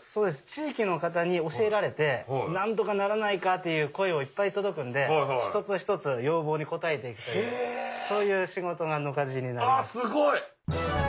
そうです地域の方に教えられて「何とかならないか」っていう声がいっぱい届くんで一つ一つ要望に応えていくというそういう仕事が野鍛冶になります。